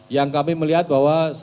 yang kami melihat bahwa